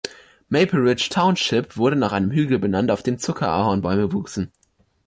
Maple Ridge Township wurde nach einem Hügel benannt, auf dem Zuckerahornbäume wuchsen.